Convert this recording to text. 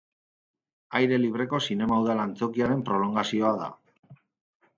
Aire libreko zinema udal antzokiaren prolongazioa da.